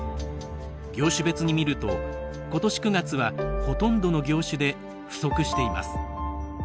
業種別に見ると、今年９月はほとんどの業種で不足しています。